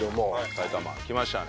埼玉来ましたね。